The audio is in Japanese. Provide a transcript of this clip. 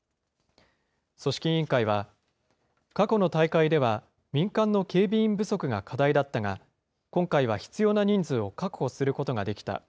組織委員会は、過去の大会では民間の警備員不足が課題だったが、今回は必要な人数を確保することができた。